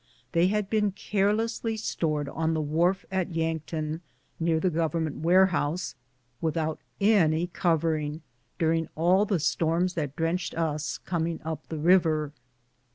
They had been carelessly stored on the wharf at Yankton, near the government warehouse, without any covering, during all the storms that drenched us coming up the river.